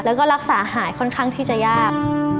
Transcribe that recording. แล้วก็รักษาหายค่อนข้างที่จะยาก